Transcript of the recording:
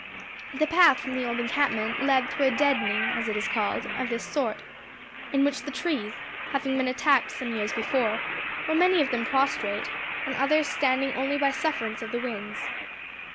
The path from the old encampment led through a "deadening," as it is called, of this sort; in which the trees, having been attacked some years before, were many of them prostrate, and others standing only by sufferance of the winds.